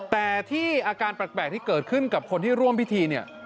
แต่ที่อาการแปลกที่เกิดขึ้นกับคนที่ร่วมพิธีเนี่ย